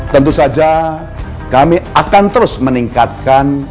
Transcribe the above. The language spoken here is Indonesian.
tentu saja kami akan terus meningkatkan